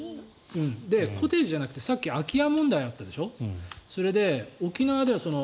コテージじゃなくてさっき空き家問題あったでしょ。